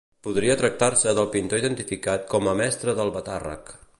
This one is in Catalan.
Podria tractar-se del pintor identificat com a Mestre d'Albatàrrec.